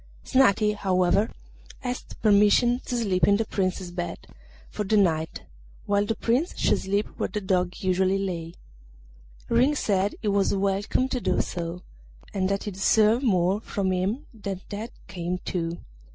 Snati, however, asked permission to sleep in the Prince's bed for that night, while the Prince should sleep where the Dog usually lay. Ring said he was welcome to do so, and that he deserved more from him than that came to.